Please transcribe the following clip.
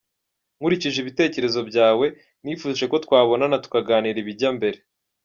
nkurikije ibitekerezo byawe, nifuje ko twabonana tukaganira ibijya mbere.